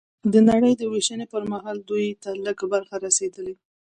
د نړۍ وېشنې پر مهال دوی ته لږ برخه رسېدلې